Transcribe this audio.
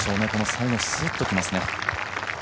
最後スーッときますね。